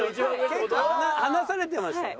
結構離されてましたよ？